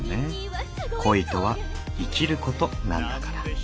恋とは生きることなんだから。